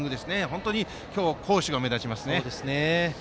本当に今日は好守が目立ちますね。